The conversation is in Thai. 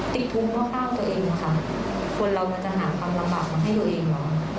ติ๊กทุ่มเข้าข้าวตัวเองค่ะควรเรามันจะหาความลำบากของให้ตัวเองเนอะ